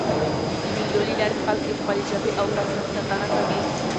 د مېلو له لاري خلک د خپلي ژبي او فرهنګ ساتنه کوي.